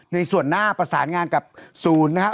ในส่วนหน้าประสานงานกับศูนย์นะครับ